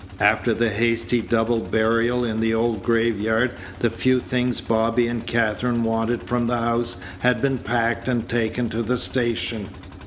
After the hasty double burial in the old graveyard the few things Bobby and Katherine wanted from the house had been packed and taken to the station.